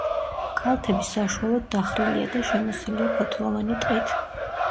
კალთები საშუალოდ დახრილია და შემოსილია ფოთლოვანი ტყით.